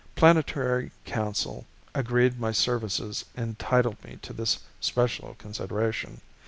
Planetary Council agreed my services entitled me to this special consideration.